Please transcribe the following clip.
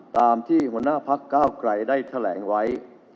ตามที่หัวหน้าพักเก้าไกลได้แถลงไว้